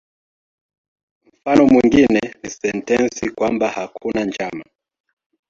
Mfano mwingine ni sentensi kwamba "hakuna njama".